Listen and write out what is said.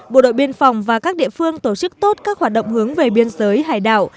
bộ đội biên phòng và các địa phương tổ chức tốt các hoạt động hướng về biên giới hải đảo